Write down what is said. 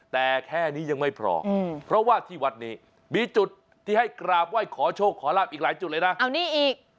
แต่แค่นี้ยังไม่พอเพราะว่าที่วัดนี้มีจุดที่ให้กราบไหว้ขอโชคขอลาบอีกหลายจุดเลยนะเอานี่อีก